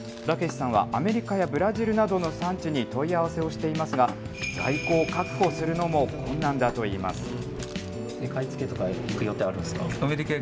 ラケシさんはアメリカやブラジルなどの産地に問い合わせをしていますが、在庫を確保するのも困難だといいます。